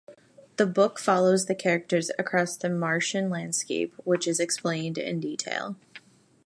The book follows the characters across the Martian landscape, which is explained in detail.